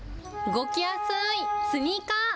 動きやすいスニーカー。